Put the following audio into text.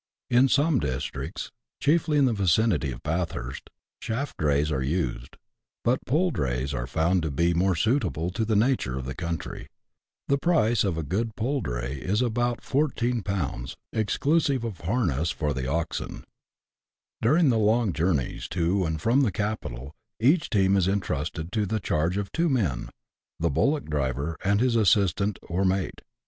In some districts, chiefly in the vicinity of Bathurst, shaft drays are used ; but pole drays are found to be more suitable to the nature of the country. The price of a good pole dray is about 14/., exclusive of harness for the oxen. During the long journeys to and from the capital, each team is entrusted to the charge of two men — the bullock driver and his assistant, or " mate."